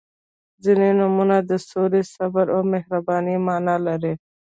• ځینې نومونه د سولې، صبر او مهربانۍ معنا لري.